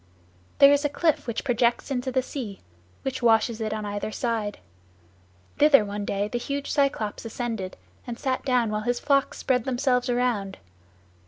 "There is a cliff which projects into the sea, which washes it on either side. Thither one day the huge Cyclops ascended, and sat down while his flocks spread themselves around.